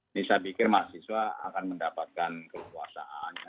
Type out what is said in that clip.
ini saya pikir mahasiswa akan mendapatkan kekuasaan